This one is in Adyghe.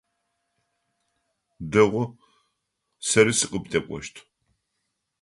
Дэгъу, сэри сыкъыбдэкӏощт.